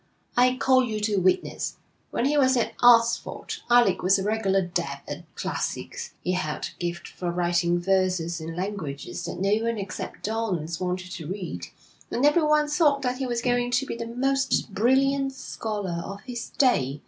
'I call you to witness. When he was at Oxford, Alec was a regular dab at classics; he had a gift for writing verses in languages that no one except dons wanted to read, and everyone thought that he was going to be the most brilliant scholar of his day.'